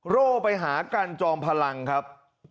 โร่ไปหากันจอมพลังครับ